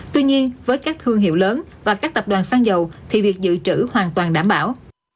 tuy nhiên với các thương hiệu lớn và các tập đoàn xăng dầu thì việc dự trữ hoàn toàn đảm bảo